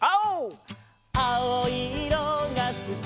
「あおいいろがすき」